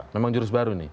memang jurus baru ini